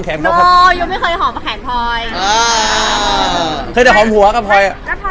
แล้วพอเราจะทำคือเราทำเลยได้ขอเขาบอก